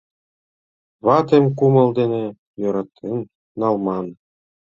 Ватым кумыл дене, йӧратен налман.